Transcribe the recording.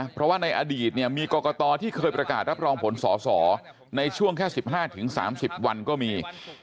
เพราะว่าในอดีตเนี่ยมีกรกตที่เคยประกาศรับรองผลสอสอในช่วงแค่๑๕๓๐วันก็มี